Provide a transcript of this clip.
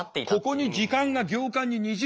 ここに時間が行間ににじむ。